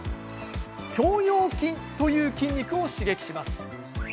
腸腰筋という筋肉を刺激します。